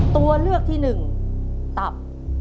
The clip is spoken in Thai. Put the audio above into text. ตัวเลือกที่หนึ่งตับ